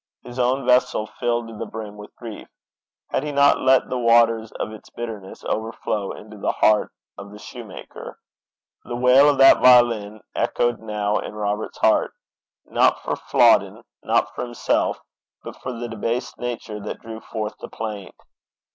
His own vessel filled to the brim with grief, had he not let the waters of its bitterness overflow into the heart of the soutar? The wail of that violin echoed now in Robert's heart, not for Flodden, not for himself, but for the debased nature that drew forth the plaint.